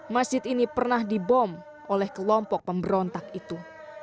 masjid ini pernah dibom oleh kelompok pemberontak itu